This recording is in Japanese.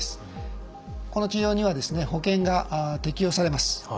この治療には保険が適用されます。